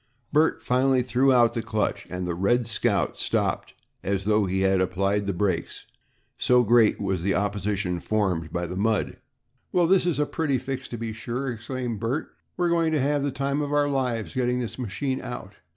Bert finally threw out the clutch and the "Red Scout" stopped as though he had applied the brakes, so great was the opposition formed by the mud. "Well, this is a pretty fix, to be sure," exclaimed Bert. "We're going to have the time of our lives getting this machine out.